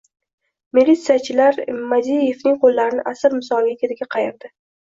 Militsiyachilar Madievni qo‘llarini asir misol ketiga qayirdi.